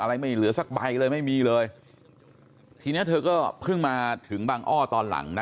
ไม่เหลือสักใบเลยไม่มีเลยทีเนี้ยเธอก็เพิ่งมาถึงบางอ้อตอนหลังนะ